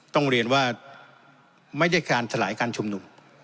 ต้องเรียนว่าไม่ได้การสลายการชุมนุม